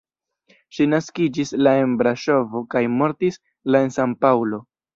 Ŝi naskiĝis la en Braŝovo kaj mortis la en San-Paŭlo.